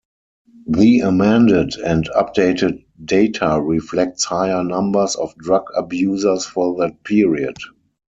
The amended and updated data reflects higher numbers of drug abusers for that period.